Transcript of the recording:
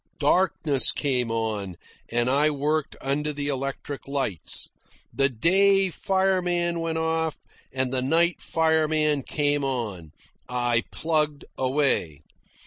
Darkness came on, and I worked under the electric lights. The day fireman went off and the night fireman came on. I plugged away.